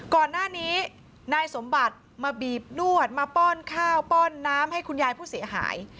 ก่อนหน้านี้นายสมบัติมาบีบนวดมาป้อนข้าวป้อนน้ำให้คุณยายผู้เสียหาย